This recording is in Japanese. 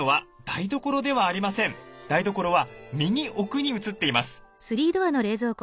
台所は右奥に写っています。